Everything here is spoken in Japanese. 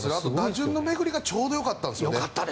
打順の巡りがちょうどよかったんですよ。